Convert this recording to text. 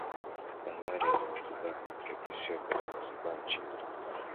Bandari ya Zanzibar katika visiwa vya Zanzibari nchini Tanzania